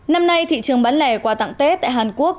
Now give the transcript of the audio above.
năm nay thị trường bán lẻ quà tặng tết tại hàn quốc